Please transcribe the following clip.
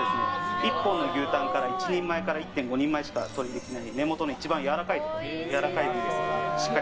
１本の牛タンから１人前から１．５人前しかとれない根元の一番やわらかいところです。